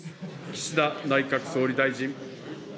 岸田内閣総理大臣。